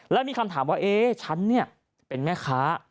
แล้วมีคำถามว่าเอ๊ะฉันเนี่ยเป็นแม่ค้า